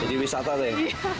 jadi wisata tuh ya